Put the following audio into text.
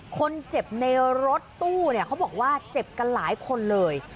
คนเจ็บในรถตู้เนี่ยเขาบอกว่าเจ็บกันหลายคนเลย